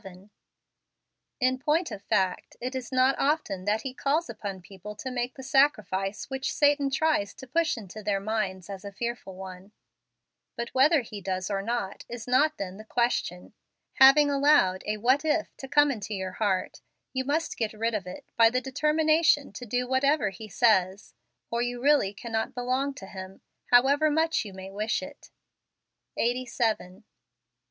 In point of fact, it is not often that He calls upon people to make the sacrifice which Satan tries to push into their minds as a fearful one; but whether He does or not is not then the question. Having allowed a what if " to come into your heart, you must get rid of it by the determination to do ichat ever He says, or you really cannot belong to Him, however much you may wish it. Eighty Seven.